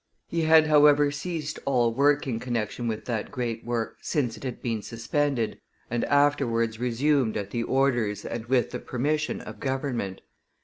He had, however, ceased all working connection with that great work since it had been suspended and afterwards resumed at the orders and with the permission of government.